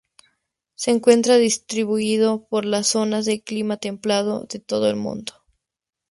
Se encuentra distribuido por las zonas de clima templado de todo el mundo.